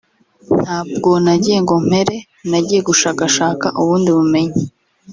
ntabwo nagiye ngo mpere nagiye gushakashaka ubundi bumenyi